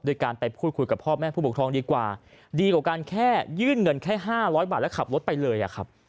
โดยการไปพูดคุยกับพ่อแม่ผู้ปกครองดีกว่าดีกว่าการแค่ยื่นเงินแค่๕๐๐บาทแล้วขับรถไปเลยอะครับ